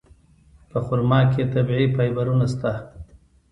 په خرما کې طبیعي فایبرونه شته.